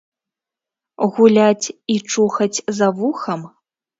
Гуляць і чухаць за вухам?